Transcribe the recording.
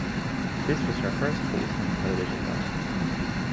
This was her first full-time television role.